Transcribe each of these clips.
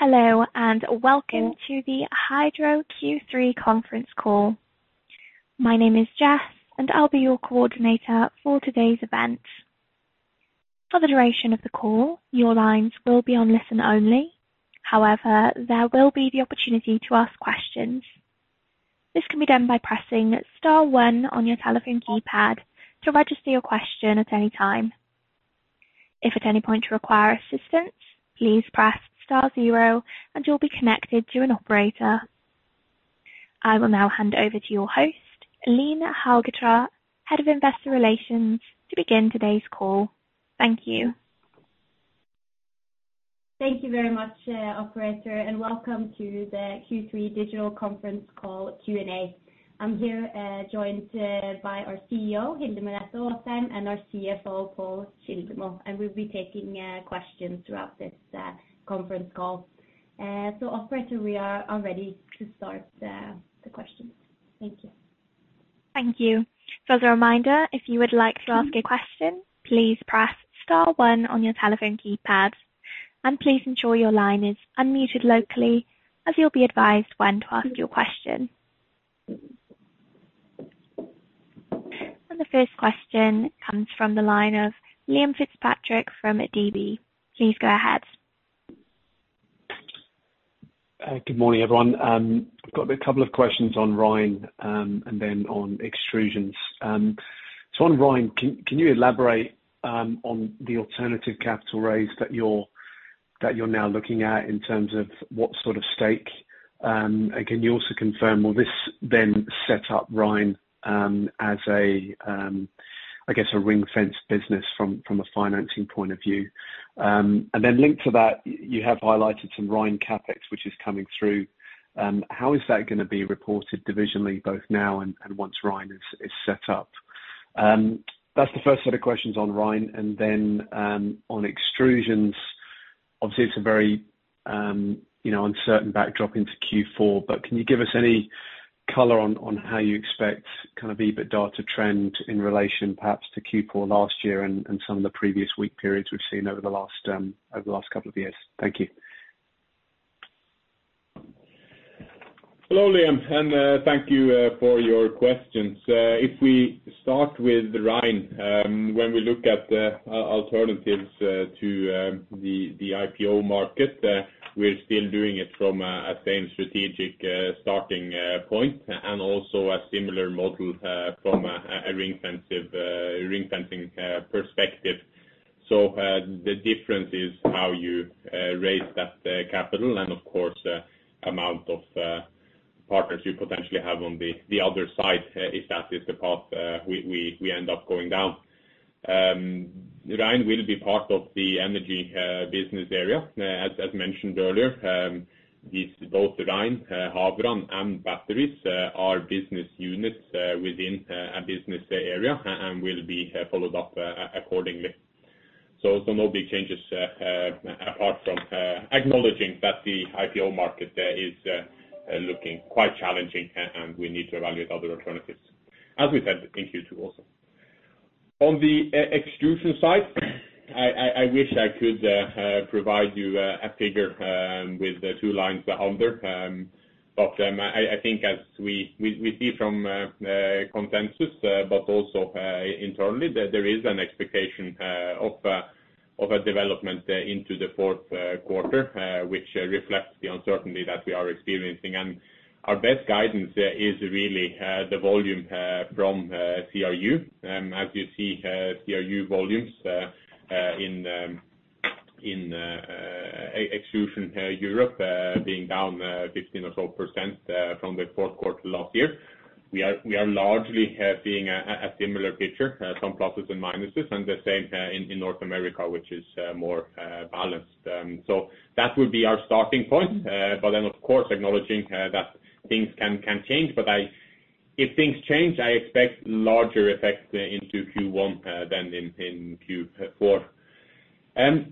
Hello, and welcome to the Hydro Q3 conference call. My name is Jess, and I'll be your coordinator for today's event. For the duration of the call, your lines will be on listen only. However, there will be the opportunity to ask questions. This can be done by pressing star one on your telephone keypad to register your question at any time. If at any point you require assistance, please press star zero, and you'll be connected to an operator. I will now hand over to your host, Martine Rambøl Hagen, Head of Investor Relations, to begin today's call. Thank you. Thank you very much, operator, and welcome to the Q3 digital conference call Q&A. I'm here, joined, by our CEO, Hilde Merete Aasheim, and our CFO, Pål Kildemo, and we'll be taking questions throughout this conference call. Operator, we are all ready to start the questions. Thank you. Thank you. As a reminder, if you would like to ask a question, please press star one on your telephone keypad, and please ensure your line is unmuted locally as you'll be advised when to ask your question. The first question comes from the line of Liam Fitzpatrick from DB. Please go ahead. Good morning, everyone. Got a couple of questions on Rein, and then on extrusions. On Rein, can you elaborate on the alternative capital raise that you're now looking at in terms of what sort of stake, and can you also confirm will this then set up Rein as a ring-fence business from a financing point of view? Linked to that, you have highlighted some Rein CapEx, which is coming through. How is that gonna be reported divisionally, both now and once Rein is set up? That's the first set of questions on Rein, and then on extrusions, obviously it's a very you know, uncertain backdrop into Q4, but can you give us any color on how you expect kind of EBITDA to trend in relation perhaps to Q4 last year and some of the previous weak periods we've seen over the last couple of years? Thank you. Hello, Liam, and thank you for your questions. If we start with Rein, when we look at alternatives to the IPO market, we're still doing it from the same strategic starting point and also a similar model from a ring-fencing perspective. The difference is how you raise that capital and of course amount of partners you potentially have on the other side if that is the path we end up going down. Rein will be part of the energy business area. As mentioned earlier, both Rein, Havrand and Batteries are business units within a business area and will be followed up accordingly. No big changes apart from acknowledging that the IPO market is looking quite challenging and we need to evaluate other alternatives, as we said in Q2 also. On the extrusions side, I wish I could provide you a figure with the two lines under. But I think as we see from consensus but also internally that there is an expectation of a development into the fourth quarter which reflects the uncertainty that we are experiencing. Our best guidance is really the volume from CRU. As you see, CRU volumes in extrusions Europe being down 15% or so from the fourth quarter last year. We are largely seeing a similar picture, some pluses and minuses, and the same in North America, which is more balanced. That would be our starting point. Of course, acknowledging that things can change. If things change, I expect larger effects into Q1 than in Q4.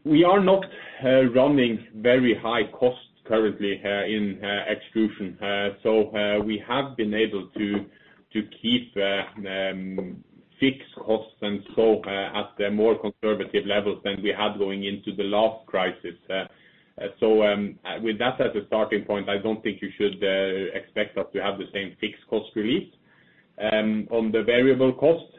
We are not running very high costs currently in extrusion. We have been able to keep fixed costs and so at a more conservative level than we had going into the last crisis. With that as a starting point, I don't think you should expect us to have the same fixed cost release. On the variable cost,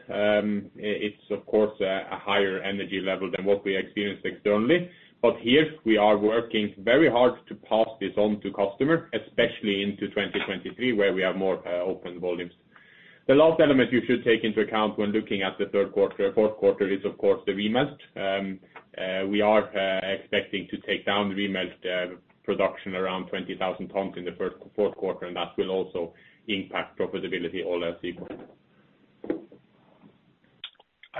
it's of course a higher energy level than what we experienced externally, but here we are working very hard to pass this on to customer, especially into 2023, where we have more open volumes. The last element you should take into account when looking at the third quarter, fourth quarter is of course the remelt. We are expecting to take down remelt production around 20,000 tons in the fourth quarter, and that will also impact profitability all else equal.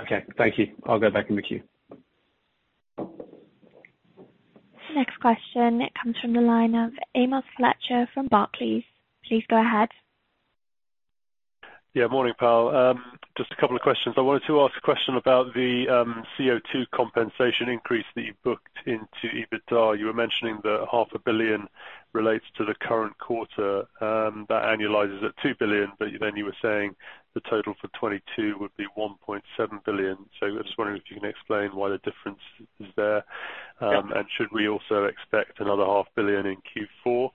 Okay, thank you. I'll go back in the queue. Next question comes from the line of Amos Fletcher from Barclays. Please go ahead. Yeah, morning, Pål. Just a couple of questions. I wanted to ask a question about the CO2 compensation increase that you booked into EBITDA. You were mentioning that NOK half a billion relates to the current quarter, that annualizes at 2 billion, but then you were saying the total for 2022 would be 1.7 billion. I was wondering if you can explain why the difference is there. Should we also expect another NOK half a billion in Q4?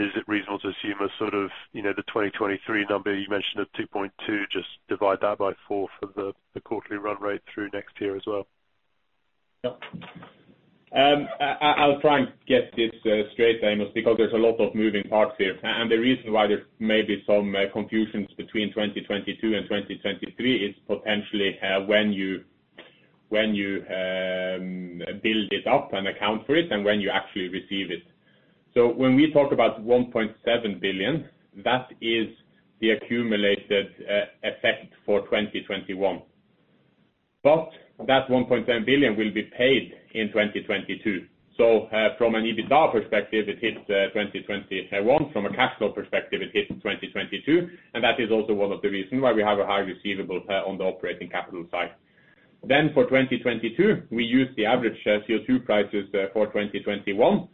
Is it reasonable to assume a sort of, you know, the 2023 number you mentioned of 2.2 billion, just divide that by four for the quarterly run rate through next year as well? I'll try and get this straight, Amos, because there's a lot of moving parts here. The reason why there may be some confusions between 2022 and 2023 is potentially when you build it up and account for it and when you actually receive it. When we talk about 1.7 billion, that is the accumulated effect for 2021. That 1.7 billion will be paid in 2022. From an EBITDA perspective, it hits 2021. From a cash flow perspective, it hits 2022, and that is also one of the reasons why we have a high receivable on the operating capital side. For 2022, we use the average CO2 prices for 2021,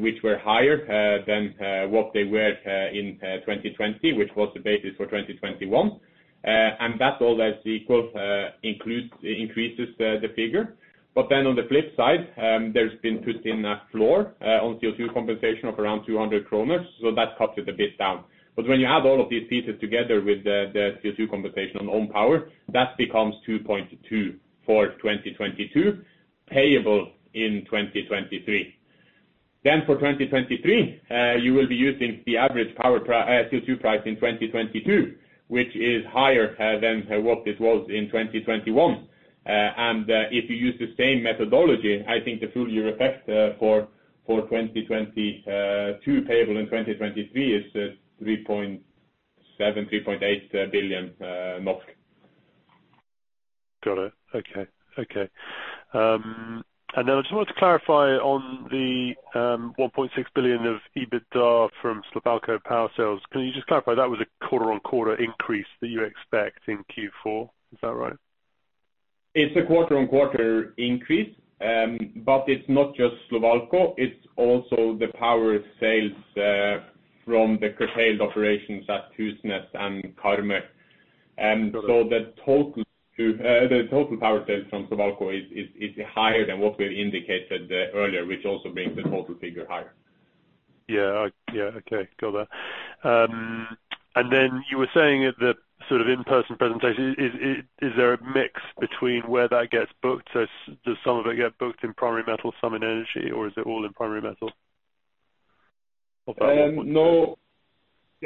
which were higher than what they were in 2020, which was the basis for 2021. That all else equal increases the figure. On the flip side, there's been put in a floor on CO2 compensation of around 200 kroner, so that cuts it a bit down. When you add all of these pieces together with the CO2 compensation on own power, that becomes 2.2 for 2022, payable in 2023. For 2023, you will be using the average CO2 price in 2022, which is higher than what it was in 2021. If you use the same methodology, I think the full year effect for 2022 payable in 2023 is 3.7-3.8 billion NOK. Got it. Okay. I just wanted to clarify on the 1.6 billion of EBITDA from Slovalco power sales. Can you just clarify, that was a quarter-on-quarter increase that you expect in Q4? Is that right? It's a quarter-on-quarter increase, but it's not just Slovalco, it's also the power sales from the curtailed operations at Husnes and Karmøy. The total power sales from Slovalco is higher than what we had indicated earlier, which also brings the total figure higher. Got that. You were saying at the sort of in-person presentation, is there a mix between where that gets booked? Does some of it get booked in primary metal, some in energy, or is it all in primary metal? Of that 1.6. No.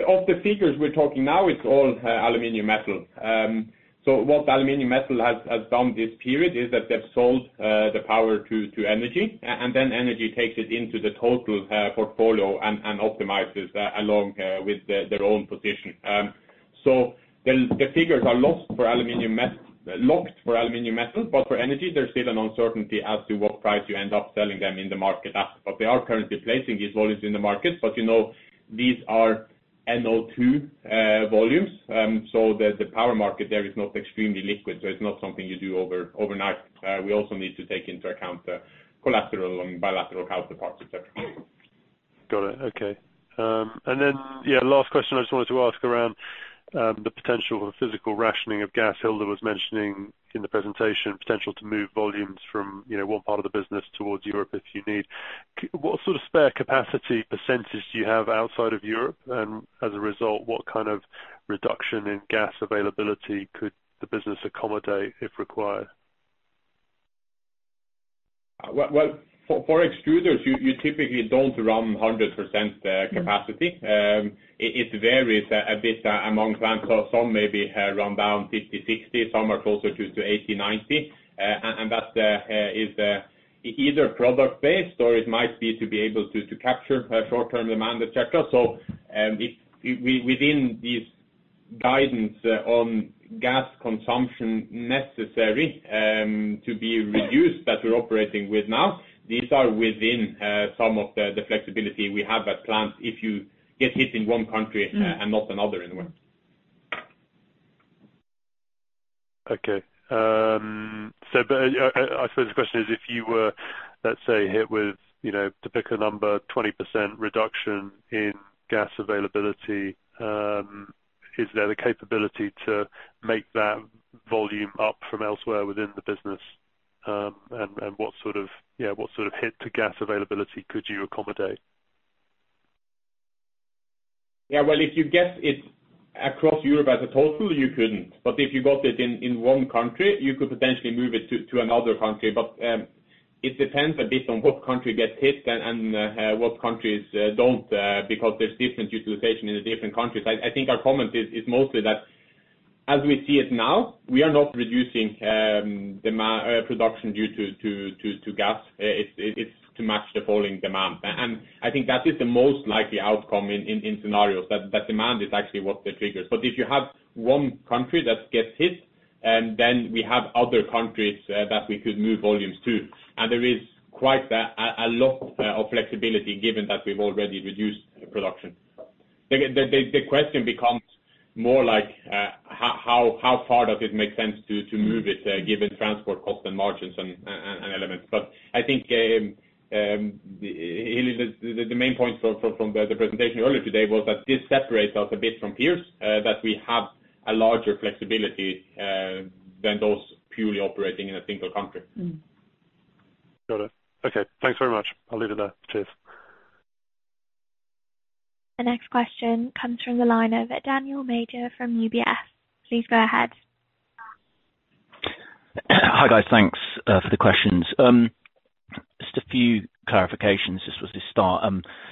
Of the figures we're talking about now, it's all aluminum metal. What the aluminum metal has done this period is that they've sold the power to energy, and then energy takes it into the total portfolio and optimizes along with their own position. The figures are locked for aluminum metal, but for energy, there's still an uncertainty as to what price you end up selling them in the market at. They are currently placing these volumes in the market. You know, these are NO2 volumes. The power market there is not extremely liquid, so it's not something you do overnight. We also need to take into account the collateral and bilateral power purchase. Got it, okay. Yeah, last question I just wanted to ask around the potential physical rationing of gas Hilde was mentioning in the presentation, potential to move volumes from, you know, one part of the business towards Europe if you need. What sort of spare capacity percentage do you have outside of Europe? As a result, what kind of reduction in gas availability could the business accommodate if required? Well, for extruders, you typically don't run 100% capacity. It varies a bit among plants. Some maybe run down 50%-60%, some are closer to 80%-90%. That is either product-based or it might be to be able to capture short-term demand, etc. If within this guidance on gas consumption necessary to be reduced that we're operating with now, these are within some of the flexibility we have at plants if you get hit in one country and not another anywhere. I suppose the question is if you were, let's say, hit with, you know, to pick a number, 20% reduction in gas availability, is there the capability to make that volume up from elsewhere within the business? What sort of hit to gas availability could you accommodate? Yeah, well, if you get it across Europe as a total, you couldn't. If you got it in one country, you could potentially move it to another country. It depends a bit on what country gets hit and what countries don't, because there's different utilization in the different countries. I think our comment is mostly that as we see it now, we are not reducing production due to gas. It's to match the falling demand. I think that is the most likely outcome in scenarios, that the demand is actually what triggers. If you have one country that gets hit, then we have other countries that we could move volumes to. There is quite a lot of flexibility given that we've already reduced production. The question becomes more like how far does it make sense to move it given transport costs and margins and elements. I think the main point, Hilde, from the presentation earlier today was that this separates us a bit from peers that we have a larger flexibility than those purely operating in a single country. Mm-hmm. Got it. Okay. Thanks very much. I'll leave it there. Cheers. The next question comes from the line of Daniel Major from UBS. Please go ahead. Hi, guys. Thanks for the questions. Just a few clarifications just for the start.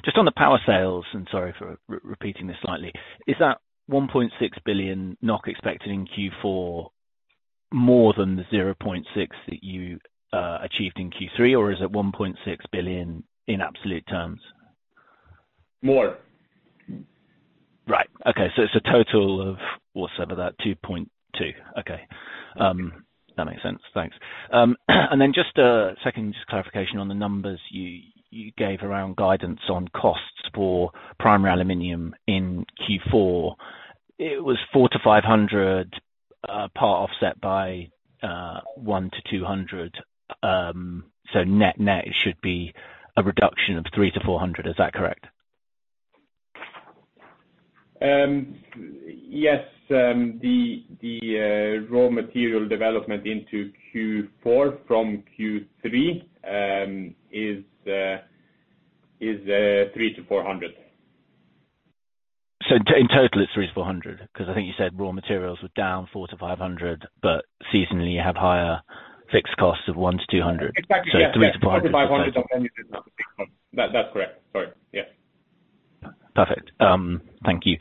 Just on the power sales and sorry for repeating this slightly. Is that 1.6 billion NOK expected in Q4 more than the 0.6 billion that you achieved in Q3, or is it 1.6 billion in absolute terms? More. Right. Okay. It's a total of, what's up with that, 2.2. Okay. That makes sense. Thanks. And then just a second clarification on the numbers you gave around guidance on costs for primary aluminum in Q4, it was 400-500, part offset by 100-200, so net net it should be a reduction of 300-400, is that correct? Yes, the raw material development into Q4 from Q3 is 300-NOK400. In total it's 300-400, 'cause I think you said raw materials were down 400-500, but seasonally you have higher fixed costs of 100-200. Exactly, yeah. So three to four hundred 400-500 on aluminum. That's correct. Sorry. Yeah. Perfect. Thank you.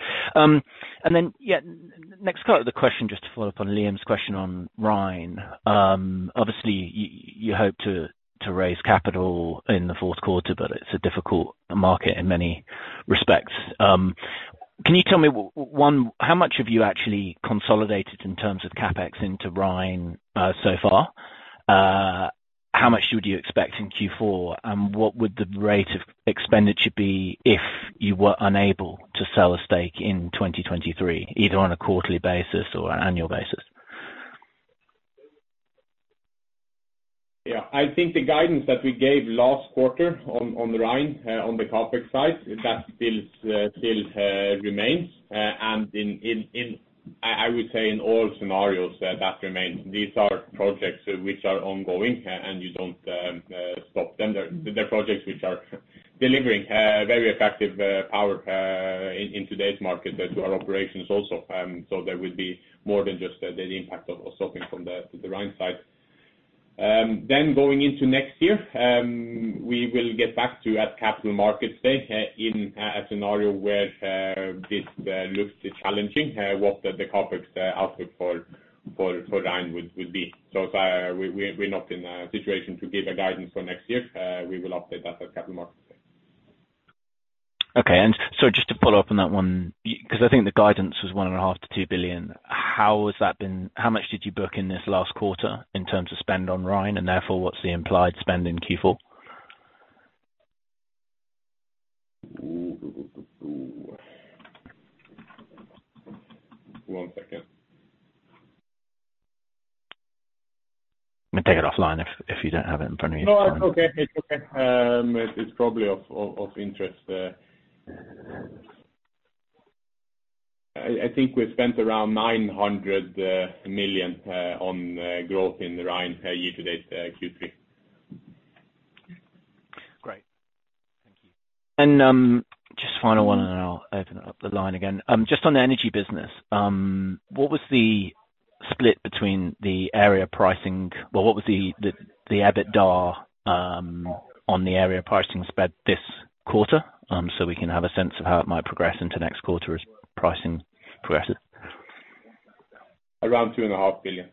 Next, the question just to follow up on Liam's question on Hydro Rein. Obviously you hope to raise capital in the fourth quarter, but it's a difficult market in many respects. Can you tell me one, how much have you actually consolidated in terms of CapEx into Hydro Rein so far? How much would you expect in Q4? And what would the rate of expenditure be if you were unable to sell a stake in 2023, either on a quarterly basis or annual basis? Yeah. I think the guidance that we gave last quarter on Rein on the CapEx side, that still remains. In all scenarios, that remains. These are projects which are ongoing and you don't stop them. They're projects which are delivering very effective power in today's market to our operations also. There will be more than just the impact of stopping from the Rein side. Going into next year, we will get back to you at Capital Markets Day in a scenario where this looks challenging what the CapEx outlook for Rein would be. So far we're not in a situation to give a guidance for next year. We will update that at Capital Markets Day. Just to follow up on that one, 'cause I think the guidance was 1.5 billion-2 billion. How has that been. How much did you book in this last quarter in terms of spend on Hydro Rein, and therefore what's the implied spend in Q4? Ooh. One second. We can take it offline if you don't have it in front of you. No, it's okay. It's okay. It's probably of interest. I think we spent around 900 million on growth in line year to date Q3. Great. Thank you. Just final one and then I'll open up the line again. Just on the energy business, well, what was the EBITDA on the area pricing spread this quarter, so we can have a sense of how it might progress into next quarter as pricing progresses? Around 2.5 billion.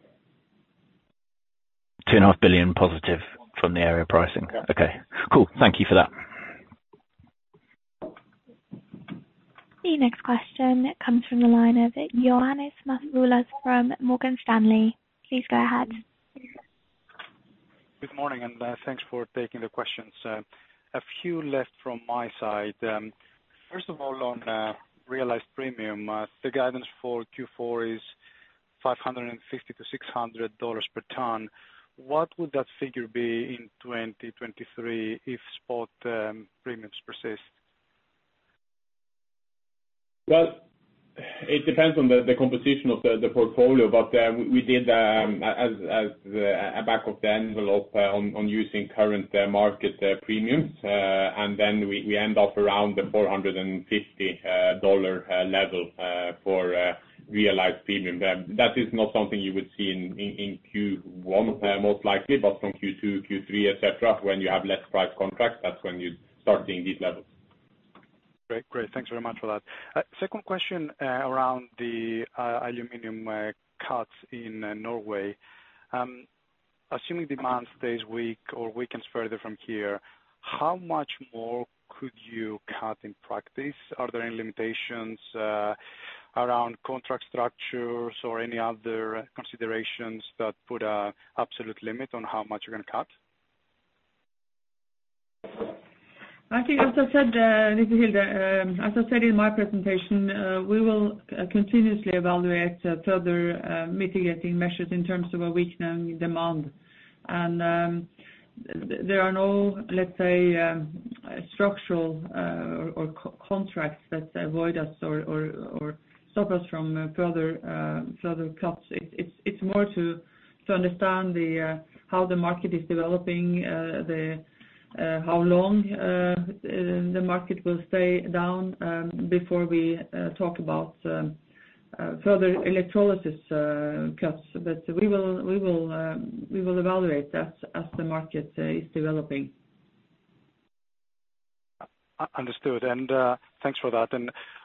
2.5 billion positive from the area pricing? Yeah. Okay, cool. Thank you for that. The next question comes from the line of Ioannis Masvoulas from Morgan Stanley. Please go ahead. Good morning, and, thanks for taking the questions. A few left from my side. First of all on realized premium, the guidance for Q4 is $550-$600 per ton. What would that figure be in 2023 if spot premiums persist? Well, it depends on the composition of the portfolio, but we did as a back of the envelope on using current market premiums, and then we end up around the $450 level for realized premium. That is not something you would see in Q1 most likely, but from Q2, Q3, et cetera, when you have less price contracts, that's when you start seeing these levels. Great. Thanks very much for that. Second question, around the aluminum cuts in Norway. Assuming demand stays weak or weakens further from here, how much more could you cut in practice? Are there any limitations around contract structures or any other considerations that put an absolute limit on how much you're gonna cut? I think as I said, this is Hilde. As I said in my presentation, we will continuously evaluate further mitigating measures in terms of a weakening demand. There are no, let's say, structural or contracts that avoid us or stop us from further cuts. It's more to understand how the market is developing, how long the market will stay down before we talk about further electrolysis cuts. We will evaluate that as the market is developing. Understood. Thanks for that.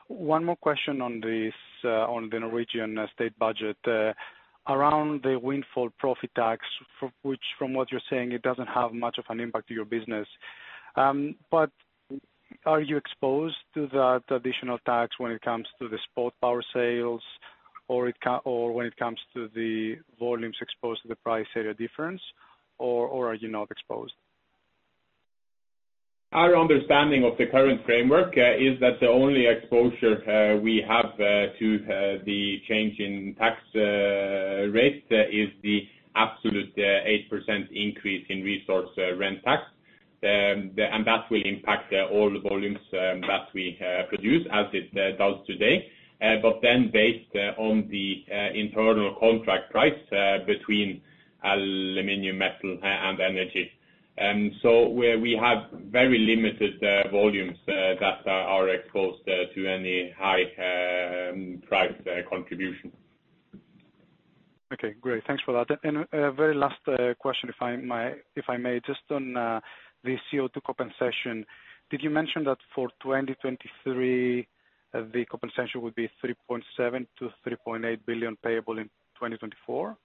One more question on this, on the Norwegian state budget, around the windfall profit tax, from which, from what you're saying, it doesn't have much of an impact to your business. But are you exposed to that additional tax when it comes to the spot power sales or when it comes to the volumes exposed to the price area difference, or are you not exposed? Our understanding of the current framework is that the only exposure we have to the change in tax rate is the absolute 8% increase in resource rent tax. That will impact all the volumes that we produce as it does today, but then based on the internal contract price between aluminum metal and energy. Where we have very limited volumes that are exposed to any high price contribution. Okay, great. Thanks for that. A very last question, if I may. Just on the CO2 compensation, did you mention that for 2023, the compensation would be 3.7-3.8 billion payable in 2024?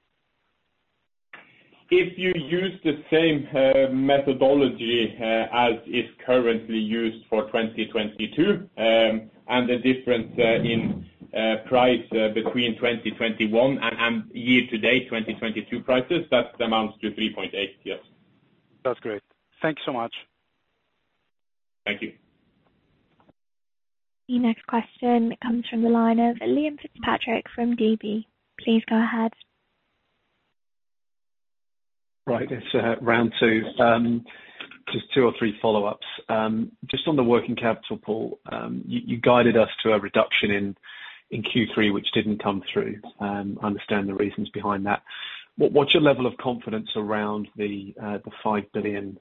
If you use the same methodology as is currently used for 2022, and the difference in price between 2021 and year to date 2022 prices, that amounts to 3.8, yes. That's great. Thank you so much. Thank you. The next question comes from the line of Liam Fitzpatrick from DB. Please go ahead. Right. It's round two. Just two or three follow-ups. Just on the working capital pool, you guided us to a reduction in Q3, which didn't come through. Understand the reasons behind that. What's your level of confidence around the 5 billion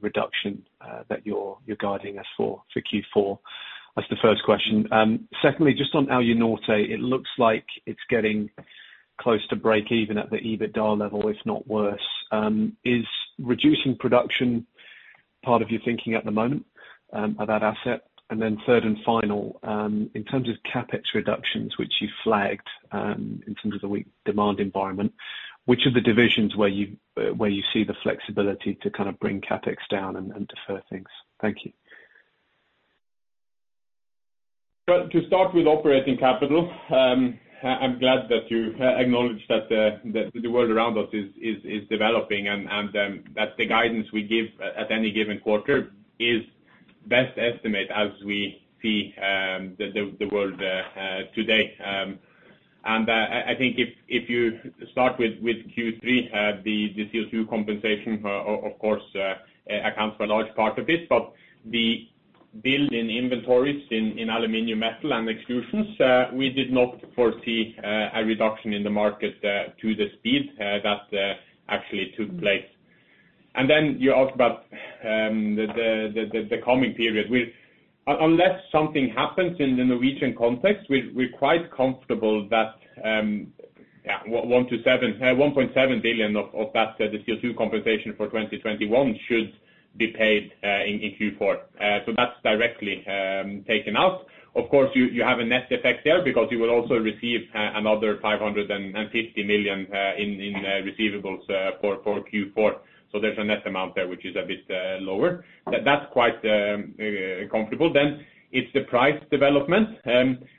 reduction that you're guiding us for Q4? That's the first question. Secondly, just on Alunorte, it looks like it's getting close to breakeven at the EBITDA level, if not worse. Is reducing production part of your thinking at the moment of that asset? Then third and final, in terms of CapEx reductions, which you flagged, in terms of the weak demand environment, which of the divisions where you see the flexibility to kind of bring CapEx down and defer things? Thank you. Well, to start with operating capital, I'm glad that you acknowledged that the world around us is developing and that the guidance we give at any given quarter is best estimate as we see the world today. I think if you start with Q3, the CO2 compensation of course accounts for a large part of it. But the build in inventories in aluminum metal and extrusions we did not foresee a reduction in the market to the speed that actually took place. Then you ask about the coming period. Unless something happens in the Norwegian context, we're quite comfortable that 1.7 billion of that, the CO2 compensation for 2021 should be paid in Q4. That's directly taken out. Of course, you have a net effect there because you will also receive another 550 million in receivables for Q4. There's a net amount there, which is a bit lower. That's quite comfortable. It's the price development.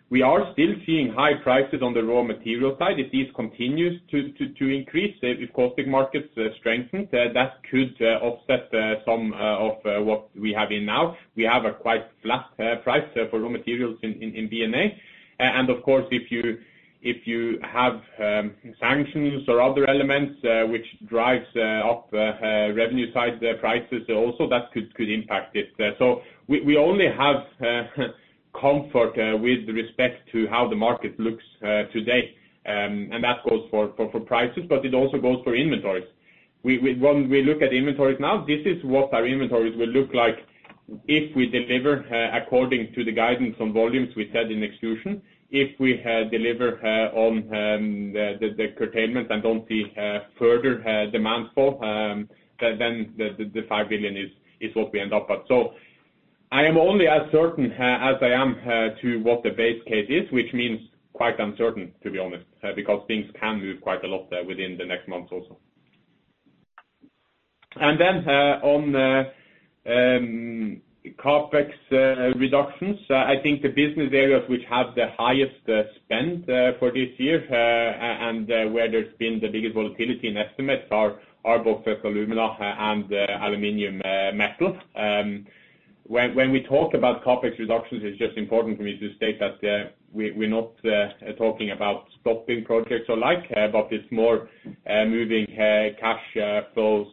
We are still seeing high prices on the raw material side. If this continues to increase, if caustic markets strengthen, that could offset some of what we have in now. We have a quite flat price for raw materials in B&A. Of course, if you have sanctions or other elements which drives up revenue side prices also, that could impact it. We only have comfort with respect to how the market looks today. That goes for prices, but it also goes for inventories. When we look at inventories now, this is what our inventories will look like if we deliver according to the guidance on volumes we said in extrusions. If we deliver on the curtailment and don't see further demand fall, then the 5 billion is what we end up at. I am only as certain as I am about what the base case is, which means quite uncertain, to be honest, because things can move quite a lot within the next months also. On CapEx reductions, I think the business areas which have the highest spend for this year and where there's been the biggest volatility in estimates are both Alumina and Aluminium metal. When we talk about CapEx reductions, it's just important for me to state that we're not talking about stopping projects or like, but it's more moving cash outflows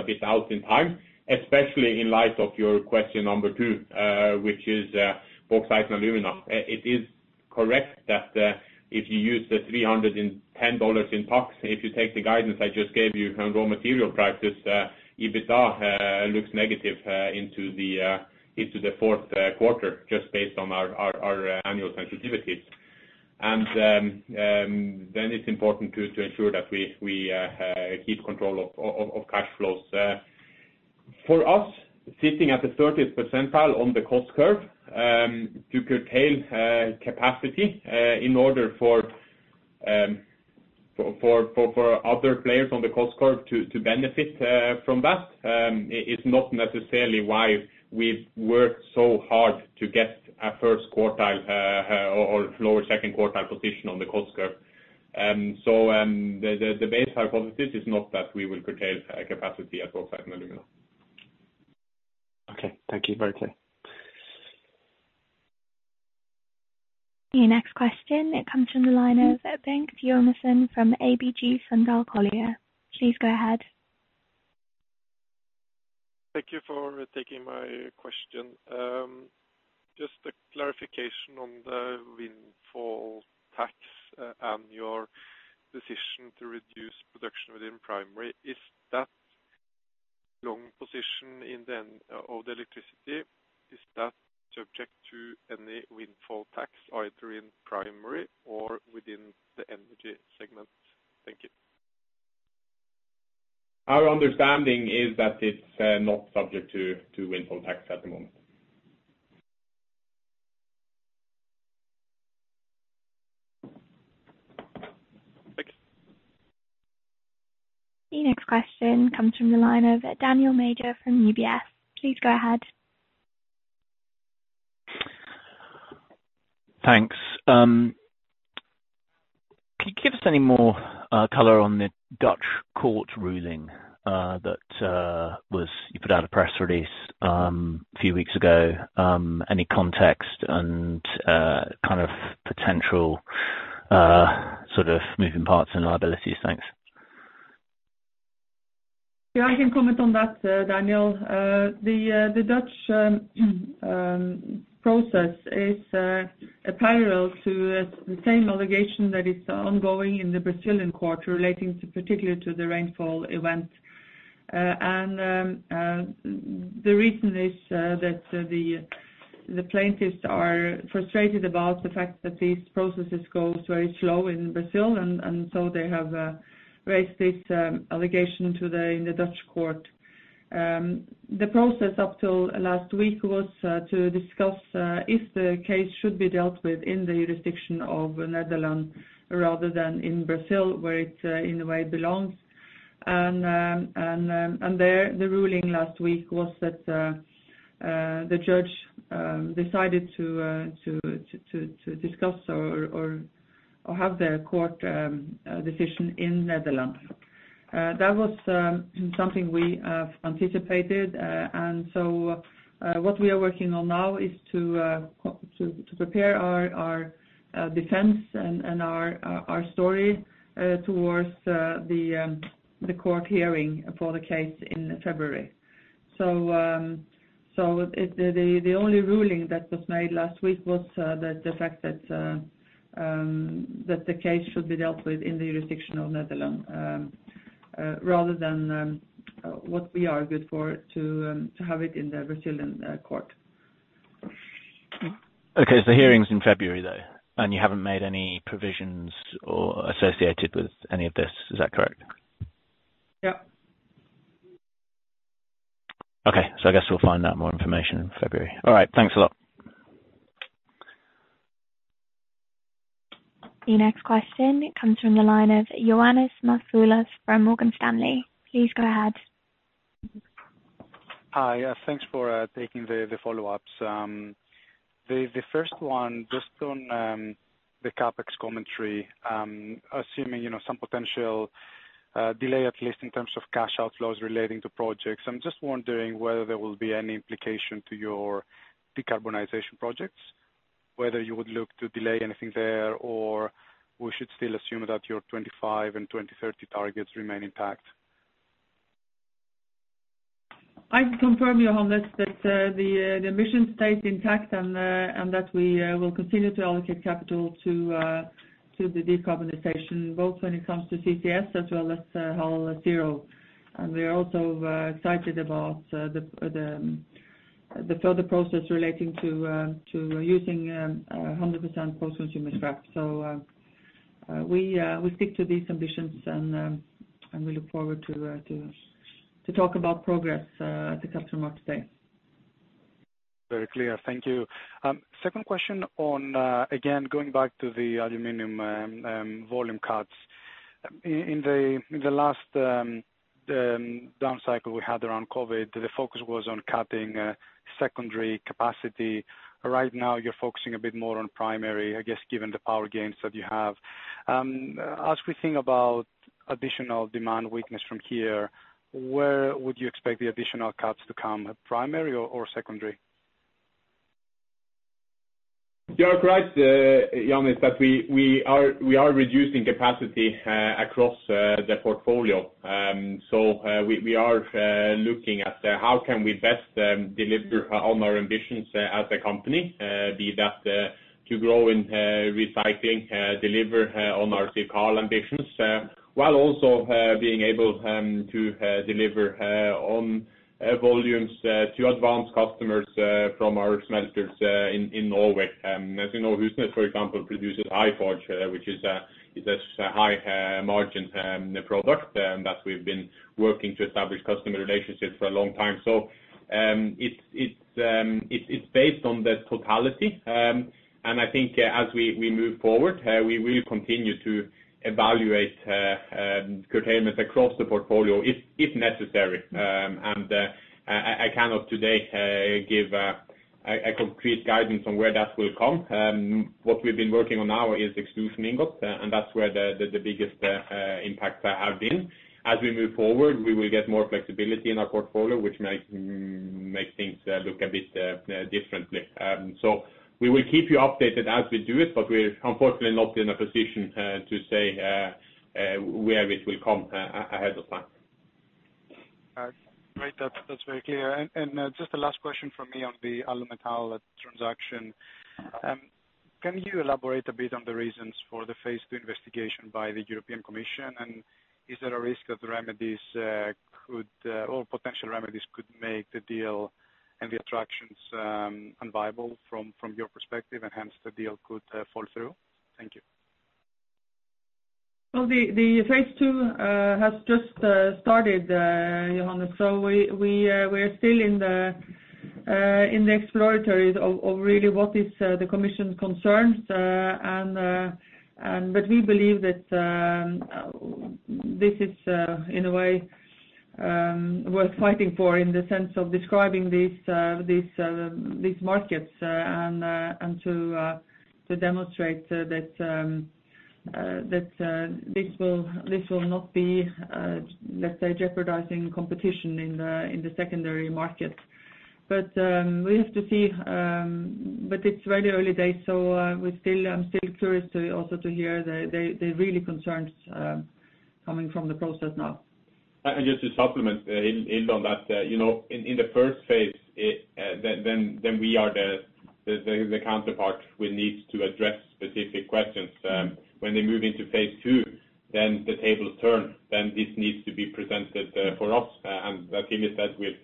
a bit out in time, especially in light of your question number two, which is for Hydro Aluminium. It is correct that if you use $310 in pax, if you take the guidance I just gave you on raw material prices, EBITDA looks negative into the fourth quarter, just based on our annual sensitivities. Then it's important to ensure that we keep control of cash flows. For us, sitting at the 30th percentile on the cost curve, to curtail capacity in order for other players on the cost curve to benefit from that is not necessarily why we've worked so hard to get a 1st quartile or lower 2nd quartile position on the cost curve. The base hypothesis is not that we will curtail capacity at Alunorte and Alumina. Okay, thank you. Very clear. The next question comes from the line of Bengt Jonassen from ABG Sundal Collier. Please go ahead. Thank you for taking my question. Just a clarification on the windfall tax, and your decision to reduce production within primary. Is that long position in the end of the electricity subject to any windfall tax, either in primary or within the energy segment? Thank you. Our understanding is that it's not subject to windfall tax at the moment. Thanks. The next question comes from the line of Daniel Major from UBS. Please go ahead. Thanks. Can you give us any more color on the Dutch court ruling that you put out a press release a few weeks ago. Any context and kind of potential sort of moving parts and liabilities? Thanks. Yeah, I can comment on that, Daniel. The Dutch process is a parallel to the same allegation that is ongoing in the Brazilian court relating to particularly to the rainfall event. The reason is that the plaintiffs are frustrated about the fact that these processes goes very slow in Brazil. They have raised this allegation in the Dutch court. The process up till last week was to discuss if the case should be dealt with in the jurisdiction of Netherlands rather than in Brazil, where it in a way belongs. Then the ruling last week was that the judge decided to discuss or have the court decision in the Netherlands. That was something we have anticipated. What we are working on now is to prepare our defense and our story towards the court hearing for the case in February. The only ruling that was made last week was the fact that the case should be dealt with in the jurisdiction of the Netherlands rather than what we argued for, to have it in the Brazilian court. Okay. The hearing is in February, though, and you haven't made any provisions or associated with any of this. Is that correct? Yeah. Okay. I guess we'll find out more information in February. All right. Thanks a lot. The next question comes from the line of Ioannis Masvoulas from Morgan Stanley. Please go ahead. Hi. Thanks for taking the follow-ups. The first one just on the CapEx commentary, assuming you know some potential delay, at least in terms of cash outflows relating to projects. I'm just wondering whether there will be any implication to your decarbonization projects, whether you would look to delay anything there, or we should still assume that your 2025 and 2030 targets remain intact. I can confirm, Ioannis, that the ambition stays intact and that we will continue to allocate capital to the decarbonization, both when it comes to CCS as well as HalZero. We are also excited about the further process relating to using 100% post-consumer scrap. We stick to these ambitions and we look forward to talk about progress at the Capital Markets Day. Very clear. Thank you. Second question on, again, going back to the aluminum, volume cuts. In the last down cycle we had around COVID, the focus was on cutting secondary capacity. Right now, you're focusing a bit more on primary, I guess, given the power gains that you have. As we think about additional demand weakness from here, where would you expect the additional cuts to come, primary or secondary? You're correct, Ioannis, that we are reducing capacity across the portfolio. We are looking at how can we best deliver on our ambitions as a company, be that to grow in recycling, deliver on our CO2 ambitions, while also being able to deliver on volumes to advance customers from our smelters in Norway. As you know, Husnes, for example, produces HyForge, which is a high margin product that we've been working to establish customer relationships for a long time. It's based on the totality. I think as we move forward, we will continue to evaluate curtailment across the portfolio if necessary. I cannot today give a concrete guidance on where that will come. What we've been working on now is extrusion ingot, and that's where the biggest impact have been. As we move forward, we will get more flexibility in our portfolio, which might make things look a bit differently. We will keep you updated as we do it, but we're unfortunately not in a position to say where it will come ahead of time. All right. Great. That's very clear. Just the last question from me on the Alumetal transaction. Can you elaborate a bit on the reasons for the phase two investigation by the European Commission? Is there a risk that remedies or potential remedies could make the deal and the attractions unviable from your perspective, and hence the deal could fall through? Thank you. Well, the phase II has just started, Ioannis, so we're still in the exploratory of really what is the commission's concerns. We believe that this is in a way worth fighting for in the sense of describing these markets and to demonstrate that this will not be, let's say, jeopardizing competition in the secondary markets. We have to see, but it's very early days, so we're still, I'm still curious to also hear the real concerns coming from the process now. Just to supplement, in on that, you know, in the first phase, then we are the counterpart who needs to address specific questions. When they move into phase two, then the tables turn, then this needs to be presented for us. As Tone said, we're.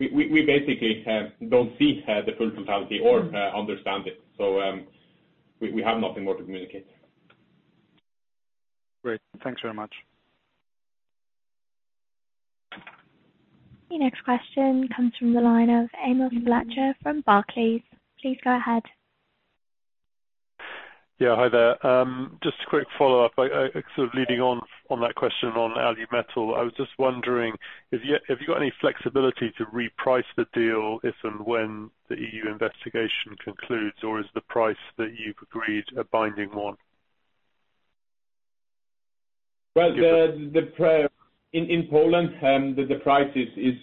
We basically don't see the full totality or understand it, so we have nothing more to communicate. Great. Thanks very much. The next question comes from the line of Amos Fletcher from Barclays. Please go ahead. Yeah, hi there. Just a quick follow-up. Sort of leading on that question on Alumetal, I was just wondering if you have got any flexibility to reprice the deal if and when the EU investigation concludes, or is the price that you've agreed a binding one? Well, the price in Poland is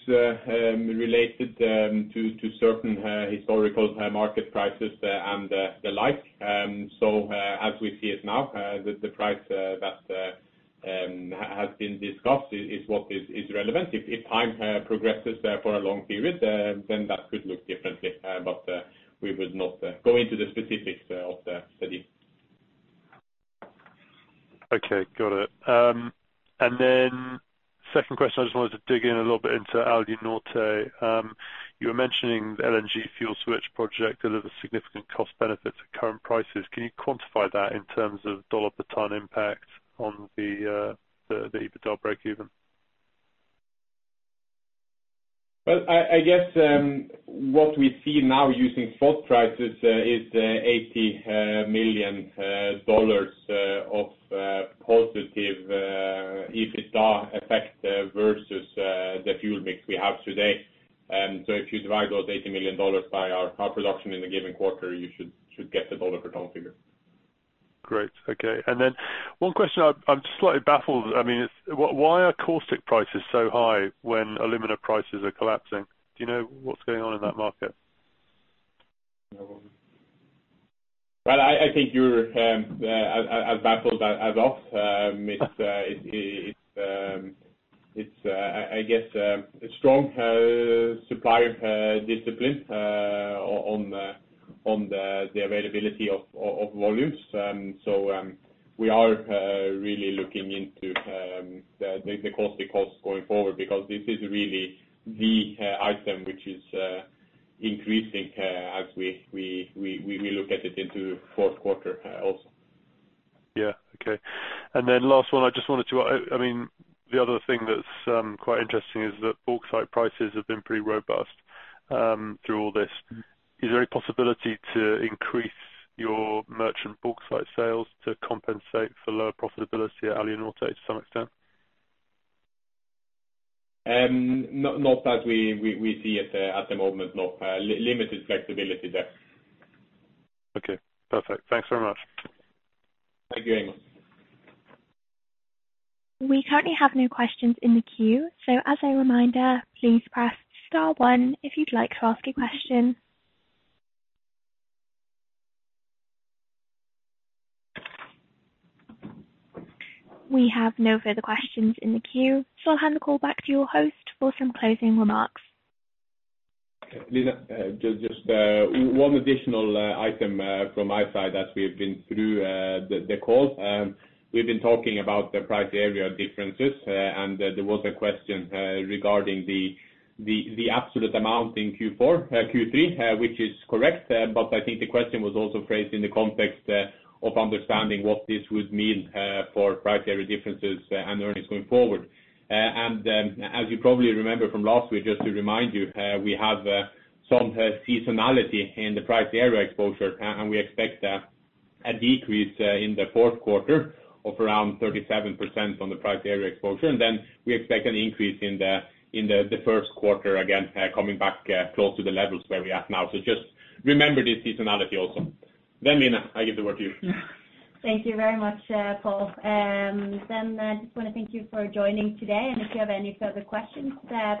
related to certain historical market prices and the like. As we see it now, the price that has been discussed is what is relevant. If time progresses for a long period, then that could look differently. We would not go into the specifics of the study. Okay, got it. Second question, I just wanted to dig in a little bit into Alunorte. You were mentioning the LNG fuel switch project delivers significant cost benefits at current prices. Can you quantify that in terms of dollar per ton impact on the EBITDA breakeven? Well, I guess what we see now using spot prices is $80 million of positive EBITDA effect versus the fuel mix we have today. If you divide those $80 million by our production in a given quarter, you should get the dollar per ton figure. Great. Okay. One question, I'm just slightly baffled. I mean, it's why are caustic prices so high when alumina prices are collapsing? Do you know what's going on in that market? Well, I think you're as baffled as us. It's, I guess, a strong supplier discipline on the availability of volumes. We are really looking into the caustic costs going forward because this is really the item which is increasing as we look at it into fourth quarter also. Yeah. Okay. Then last one. I just wanted to. I mean, the other thing that's quite interesting is that bauxite prices have been pretty robust through all this. Is there any possibility to increase your merchant bauxite sales to compensate for lower profitability at Alunorte to some extent? Not that we see at the moment, no. Limited flexibility there. Okay, perfect. Thanks very much. Thank you, Amos. We currently have no questions in the queue. As a reminder, please press star one if you'd like to ask a question. We have no further questions in the queue. I'll hand the call back to your host for some closing remarks. Okay. Martine Rambøl Hagen, just one additional item from my side as we've been through the call. We've been talking about the price area differences and there was a question regarding the absolute amount in Q4, Q3, which is correct. I think the question was also phrased in the context of understanding what this would mean for price area differences and earnings going forward. As you probably remember from last week, just to remind you, we have some seasonality in the price area exposure and we expect a decrease in the fourth quarter of around 37% on the price area exposure. We expect an increase in the first quarter, again, coming back close to the levels where we are now. Just remember this seasonality also. Eline, I give the word to you. Thank you very much, Pål. I just wanna thank you for joining today. If you have any further questions,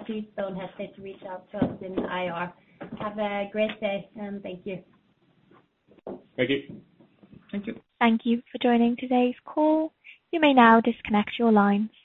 please don't hesitate to reach out to us in IR. Have a great day, and thank you. Thank you. Thank you. Thank you for joining today's call. You may now disconnect your lines.